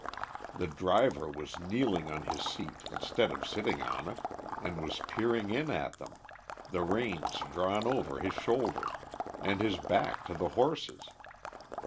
The driver was kneeling on his seat instead of sitting on it, and was peering in at them, the reins drawn over his shoulder, and his back to the horses.